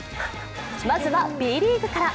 まずはＢリーグから。